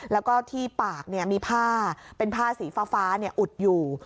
แล้วก็ที่ปากมีผ้าเป็นผ้าสีฟ้าอุดอยู่